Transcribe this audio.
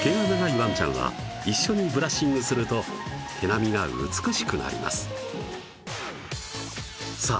ワンちゃんは一緒にブラッシングすると毛並みが美しくなりますさあ